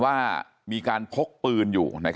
ทำให้สัมภาษณ์อะไรต่างนานไปออกรายการเยอะแยะไปหมด